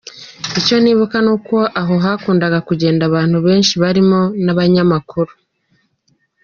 Icyo nibuka ni uko aho hakundaga kugenda abantu benshi barimo n’abanyamakuru.